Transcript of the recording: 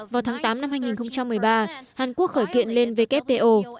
vào tháng tám năm hai nghìn một mươi ba hàn quốc khởi kiện lên wto